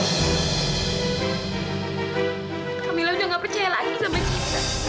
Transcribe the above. kak mila sudah tidak percaya lagi sama cip